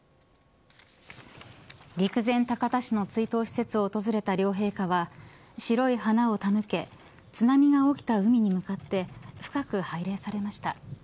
陸前高田市の追悼施設を訪れた両陛下は白い花を手向け津波が起きた海に向かって深く拝礼されました。